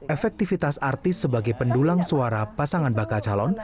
efektivitas artis sebagai pendulang suara pasangan bakal calon